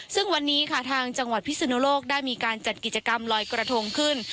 ซึ่งวันนี้ค่ะทางจังหวัดพิศนุโลกได้มีการจัดกิจกรรมลอยกระทงขึ้น